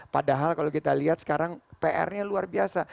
padahal kalau kita lihat sekarang pr nya luar biasa